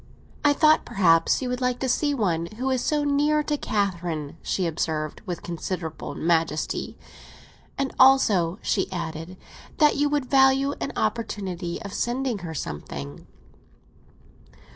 "I thought perhaps you would like to see one who is so near to Catherine," she observed, with considerable majesty. "And also," she added, "that you would value an opportunity of sending her something."